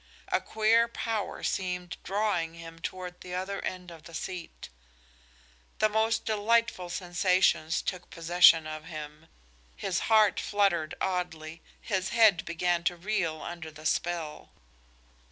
A queer power seemed drawing him toward the other end of the seat. The most delightful sensations took possession of him; his heart fluttered oddly; his head began to reel under the spell.